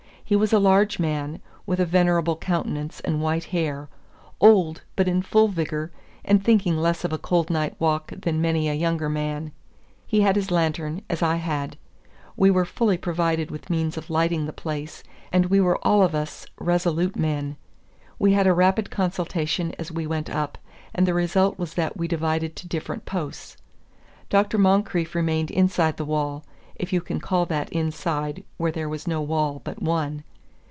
He was a large man, with a venerable countenance and white hair, old, but in full vigor, and thinking less of a cold night walk than many a younger man. He had his lantern, as I had. We were fully provided with means of lighting the place, and we were all of us resolute men. We had a rapid consultation as we went up, and the result was that we divided to different posts. Dr. Moncrieff remained inside the wall if you can call that inside where there was no wall but one.